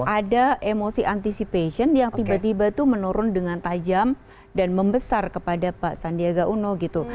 ada emosi anticipation yang tiba tiba tuh menurun dengan tajam dan membesar kepada pak sandiaga uno gitu